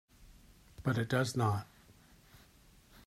But it does not.